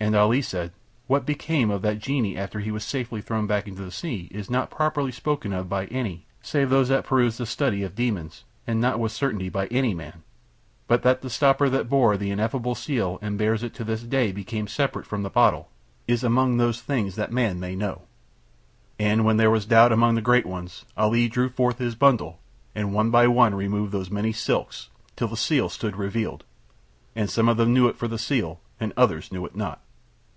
And Ali said: "What became of that genie after he was safely thrown back into the sea is not properly spoken of by any save those that pursue the study of demons and not with certainty by any man, but that the stopper that bore the ineffable seal and bears it to this day became separate from the bottle is among those things that man may know." And when there was doubt among the great ones Ali drew forth his bundle and one by one removed those many silks till the seal stood revealed; and some of them knew it for the seal and others knew it not.